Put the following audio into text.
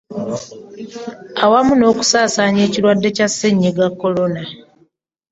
Awamu n'okusaasaanya ekirwadde kya Ssennyiga Corona.